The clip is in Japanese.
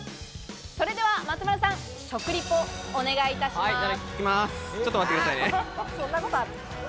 それでは松丸さん、食リポをお願いいたします。